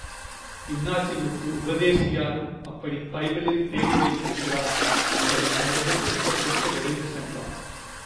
இன்னாசிமுத்து உபதேசியாரும் அப்படிப் பைபிளில் தேடி வைத்திருக்கிறார் என்பதைக் கண்டதும், வெட்கப்பட்டு விரைந்து சென்றார்.